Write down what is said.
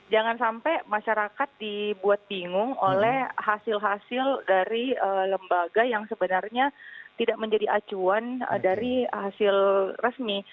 jangan sampai masyarakat dibuat bingung oleh hasil hasil dari lembaga yang sebenarnya tidak menjadi acuan dari hasil resmi